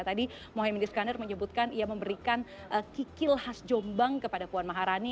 tadi mohaimin iskandar menyebutkan ia memberikan kikil khas jombang kepada puan maharani